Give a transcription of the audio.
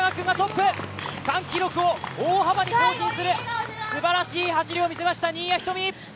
区間記録を大幅に更新するすばらしい走りを見せました新谷仁美。